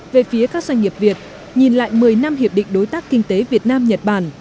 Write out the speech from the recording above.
về phía các doanh nghiệp việt nhìn lại một mươi năm hiệp định đối tác kinh tế việt nam nhật bản